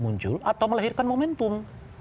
muncul atau melahirkan momentum